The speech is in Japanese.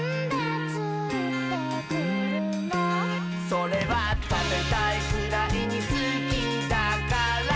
「それはたべたいくらいにすきだかららら」